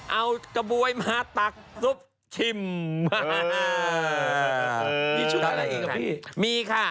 เอากระบวยมาตักซุปชิมเออนี่ชุดอะไรเองกะพี่มีค่ะ